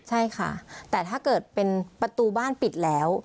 ใช่ค่ะแต่ถ้าเกิดเป็นประตูบ้านปิดแล้ว